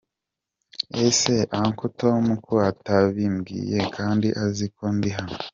Nti : ese uncle Tom ko atabimbwiye kandi azi ko ndi hano.